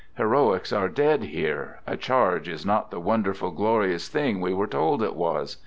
" Heroics " are dead here, a charge is not the wonderful, glorious thing we were told it was.